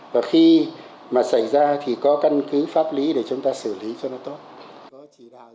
và khi mà xảy ra thì có căn cứ pháp lý để chúng ta xử lý cho nó tốt